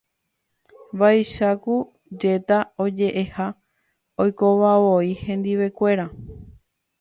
Vaicháku jéta oje'eha oikovavoi hendivekuéra.